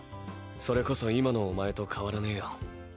それこそ今のおまえと変わらねえよ。